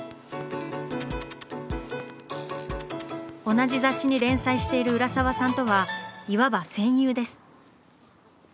同じ雑誌に連載している浦沢さんとはいわば「戦友」です。